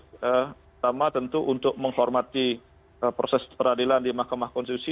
pertama tentu untuk menghormati proses peradilan di mahkamah konstitusi